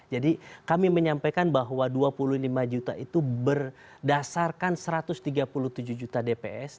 jadi kami menyampaikan bahwa dua puluh lima juta itu berdasarkan satu ratus tiga puluh tujuh juta dps